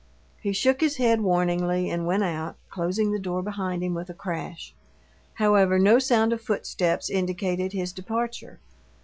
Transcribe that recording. He shook his head warningly, and went out, closing the door behind him with a crash. However, no sound of footsteps indicated his departure.